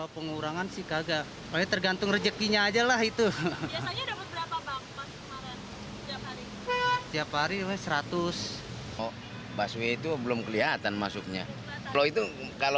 biasanya dapat berapa pak